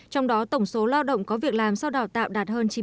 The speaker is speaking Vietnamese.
trong đó tổng số lao động có việc làm sau đào tạo đạt hơn chín mươi